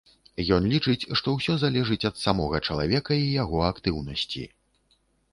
Ён лічыць, што ўсё залежыць ад самога чалавека і яго актыўнасці.